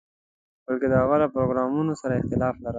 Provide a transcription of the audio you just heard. بلکې د هغوی له پروګرامونو سره اختلاف لرم.